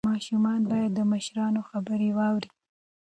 ماشومان باید د مشرانو خبرې واوري.